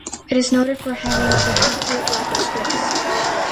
It is noted for having a complete lack of scripts.